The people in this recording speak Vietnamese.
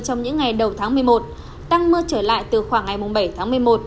trong những ngày đầu tháng một mươi một tăng mưa trở lại từ khoảng ngày bảy tháng một mươi một